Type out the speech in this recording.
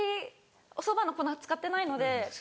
おそばの粉使ってないので。